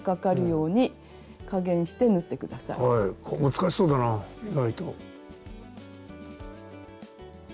難しそうだなあ意外と。